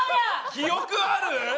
記憶ある？